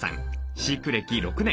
飼育歴６年。